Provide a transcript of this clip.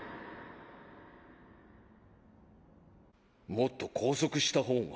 もっと拘束したほうが。